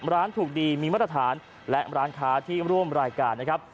ร้านถูกดีมีมาตรฐานและร้านค้าที่ร่วมรายการนะครับ